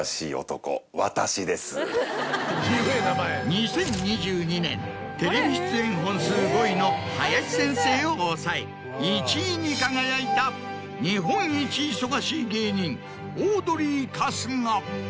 ２０２２年テレビ出演本数５位の林先生を抑え１位に輝いた日本一忙しい芸人。